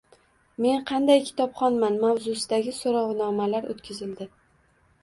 "Men qanday kitobxonman?” mavzusidagi so‘rovnomalar o‘tkazildi.